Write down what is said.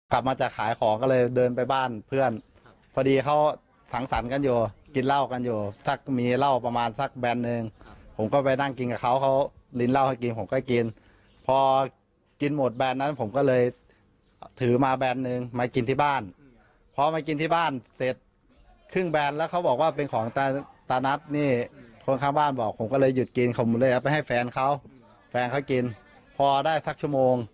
กลับมาจากขายของก็เลยเดินไปบ้านเพื่อนพอดีเขาสังสรรค์กันอยู่กินเหล้ากันอยู่สักมีเหล้าประมาณสักแบนหนึ่งผมก็ไปนั่งกินกับเขาเขาลินเหล้าให้กินผมก็กินพอกินหมดแบนนั้นผมก็เลยถือมาแบนหนึ่งมากินที่บ้านพอมากินที่บ้านเสร็จครึ่งแบนแล้วเขาบอกว่าเป็นของตาตานัทนี่คนข้างบ้านบอกผมก็เลยหยุดกินผมเลยเอาไปให้แฟนเขาแฟนเขากินพอได้สักชั่วโมง